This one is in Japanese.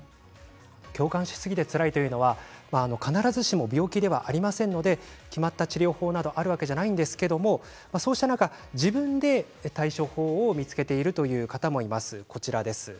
共感しすぎてつらいというのは必ずしも病気ではありませんので決まった治療法があるわけではないんですが自分で対処法を見つけている方もいます。